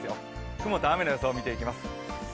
雲と雨の予想を見ていきます。